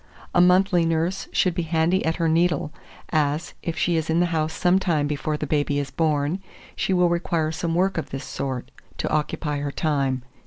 A monthly nurse should be handy at her needle, as, if she is in the house some time before the baby is born, she will require some work of this sort; to occupy her time.